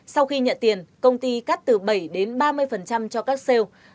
sau khi nhận tiền công ty cắt từ bảy đến ba mươi cho các sale